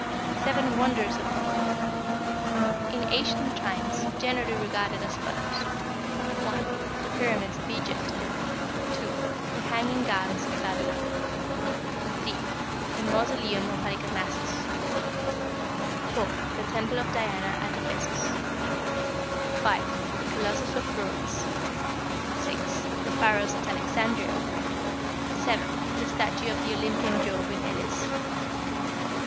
=Seven Wonders of the World.= In ancient times generally regarded as follows: (1) The Pyramids of Egypt, (2) the Hanging Gardens of Babylon, (3) the Mausoleum at Halicarnassus, (4) the Temple of Diana at Ephesus, (5) the Colossus of Rhodes, (6) the Pharos at Alexandria, (7) the Statue of the Olympian Jove in Elis.